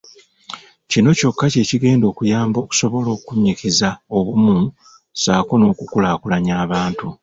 Kino kyokka kye kigenda okuyamba okusobola okunnyikiza obumu ssaako n’okukulaakulanya abantu.